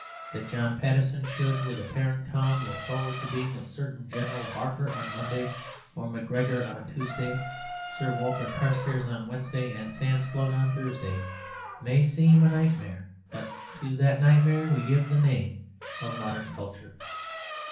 That John Paterson should, with apparent calm, look forward to being a certain General Barker on Monday, Dr. Macgregor on Tuesday, Sir Walter Carstairs on Wednesday, and Sam Slugg on Thursday, may seem a nightmare; but to that nightmare we give the name of modern culture.